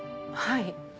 はい。